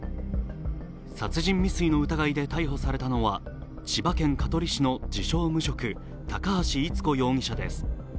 殺人未遂の疑いで逮捕されたのは千葉県香取市の自称・無職、高橋伊都子容疑者です。